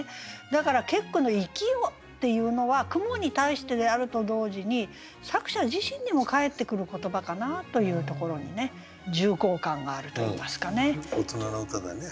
だから結句の「生きよ」っていうのは蜘蛛に対してであると同時に作者自身にも返ってくる言葉かなというところにね重厚感があるといいますかね。